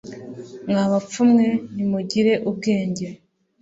mwa bapfu mwe nimugire ubwenge